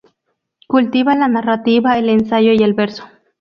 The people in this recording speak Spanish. Cultiva la narrativa, el ensayo y el verso.